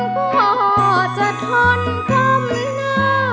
พ่อจะทนความง่า